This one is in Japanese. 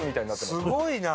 すごいな！